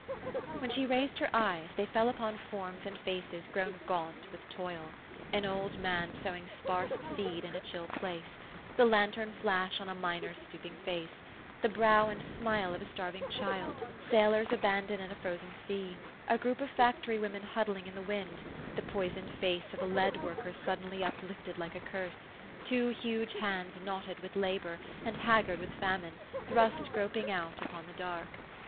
When she raised her eyes, they fell upon forms and faces grown gaunt with toil, an old man sow ing sparse seed in a chill place ; the lantern flash on a miner's stooping face ; the brow and smile of a starving child ; sailors abandoned in a frozen sea ; a group of factory *women huddling in the wind ; the poisoned face of a lead worker suddenly uplifted like a curse ; two huge hands knotted with labor, THE STORY OF AVIS. 149 and haggard with famine, thrust groping out upon the dark.